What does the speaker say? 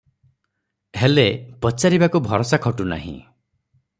ହେଲେ, ପଚାରିବାକୁ ଭରସା ଖଟୁ ନାହିଁ ।